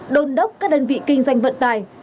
đôn đốc các đơn vị kinh doanh vận tải